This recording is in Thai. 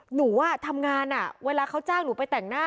หนูทำงานเวลาเขาจ้างหนูไปแต่งหน้า